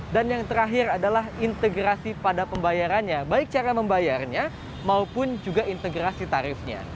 dan yang terakhir adalah integrasi pada pembayarannya baik cara membayarnya maupun juga integrasi tarifnya